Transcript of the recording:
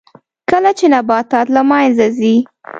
کله چې نباتات له منځه ځي